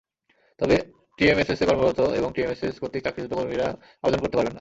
তবে টিএমএসএসে কর্মরত এবং টিএমএসএস কর্তৃক চাকরিচ্যুত কর্মীরা আবেদন করতে পারবেন না।